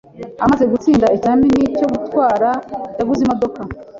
Amaze gutsinda ikizamini cyo gutwara, yaguze imodoka.